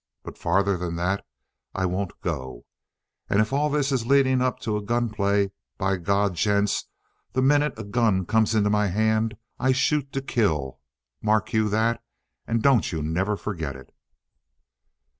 But farther than that I won't go. And if all this is leading up to a gunplay, by God, gents, the minute a gun comes into my hand I shoot to kill, mark you that, and don't you never forget it!"